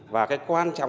và cái quan trọng